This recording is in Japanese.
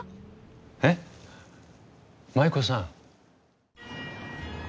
えっ舞妓さん？